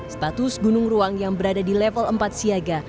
status gunung ruang yang berada di level empat siaga